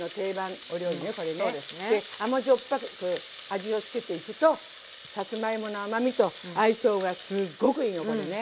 味を付けていくとさつまいもの甘みと相性がすっごくいいのこれね。